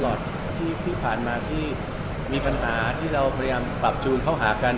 ที่ผ่านมาที่มีปัญหาที่เราพยายามปรับจูนเข้าหากัน